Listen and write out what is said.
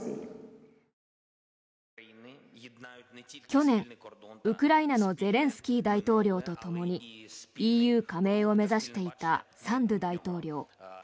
去年、ウクライナのゼレンスキー大統領とともにＥＵ加盟を目指していたサンドゥ大統領。